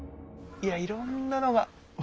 いやいろんなのが。